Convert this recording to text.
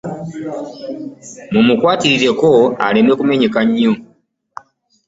Mumukwatireko aleme kumenyeka nnyo.